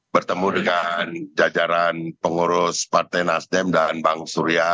bertemu dengan jajaran pengurus partai nasdem dan bang surya